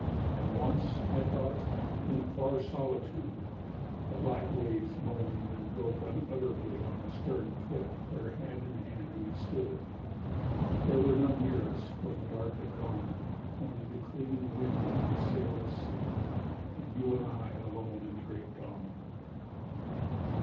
And once, I thought, in a far solitude, The black waves moaned and broke unutterably On a stern cliff where hand in hand we stood. There were none near us when the dark had gone, Only the clean wind of a sailless sea, And you and I alone in the great dawn.